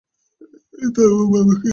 থামাও, বাবাকে।